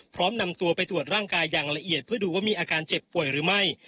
พร้อมนำตัวไปตรวจร่างกายอย่างละเอียดเพื่อดูว่ามีอาการเจ็บป่วยหรือไม่